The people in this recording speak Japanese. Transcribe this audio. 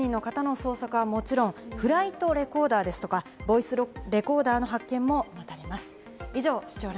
行方不明の１０名の捜索はもちろんフライトレコーダーですとか、ボイスレコーダーの発見も待たれます。